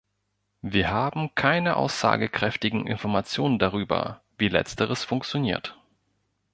Wir haben keine aussagekräftigen Informationen darüber, wie Letzteres funktioniert.